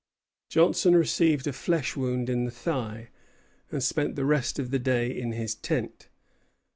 Johnson received a flesh wound in the thigh, and spent the rest of the day in his tent.